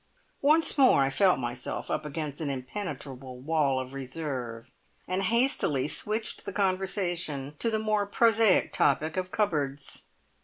Once more I felt myself up against an impenetrable wall of reserve, and hastily switched the conversation to the more prosaic topic of cupboards.